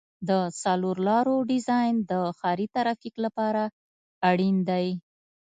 د څلور لارو ډیزاین د ښاري ترافیک لپاره اړین دی